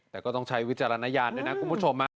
แต่ก็ต้องใช้วิจารณญาณด้วยนะคุณผู้ชม